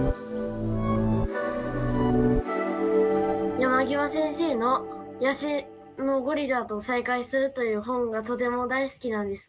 山極先生の「野生のゴリラと再会する」という本がとても大好きなんですけど。